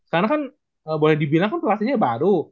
karena kan boleh dibilang kan pelatihnya baru